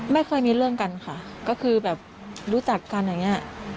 ไม่เคยมีเรื่องกันค่ะก็คือแบบรู้จักกันอย่างนี้